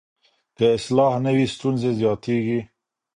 که اصلاح نه وي، ستونزې زیاتېږي.